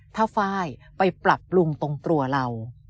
ถ้าไฟล์ไปปรับปรุงตรงตัวเรา